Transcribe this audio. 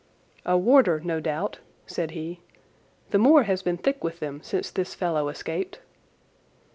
"A warder, no doubt," said he. "The moor has been thick with them since this fellow escaped."